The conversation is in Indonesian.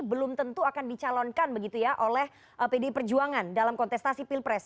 belum tentu akan dicalonkan begitu ya oleh pdi perjuangan dalam kontestasi pilpres